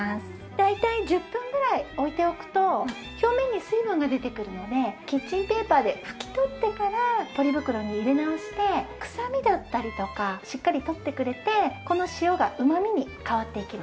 大体１０分ぐらい置いておくと表面に水分が出てくるのでキッチンペーパーで拭き取ってからポリ袋に入れ直して臭みだったりとかしっかり取ってくれてこの塩がうまみに変わっていきます。